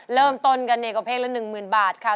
เริ่มต้นกันเนกว่าเพลงละ๑หมื่นบาทค่ะ